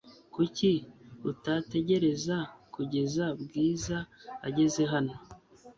Kuki utategereza kugeza Bwiza ageze hano?